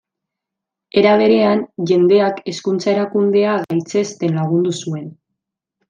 Era berean, jendeak hezkuntza erakundea gaitzesten lagundu zuen.